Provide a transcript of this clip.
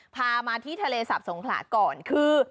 พามาที่ทะเลสับสงขลาก่อนคือ